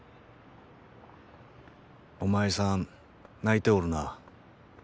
おまいさん泣いておるな。